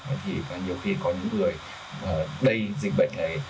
nhiều khi có những người đầy dịch bệnh ấy